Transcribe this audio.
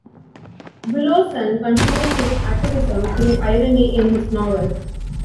Bulosan continues his activism through irony in his novel.